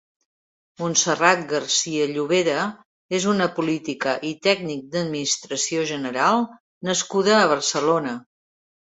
Montserrat García Llovera és una política i tècnic d'administració general nascuda a Barcelona.